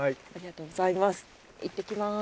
いってきます。